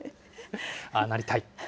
ああなりたい。